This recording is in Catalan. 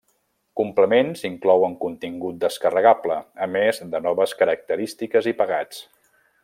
Complements inclouen contingut descarregable, a més de noves característiques i pegats.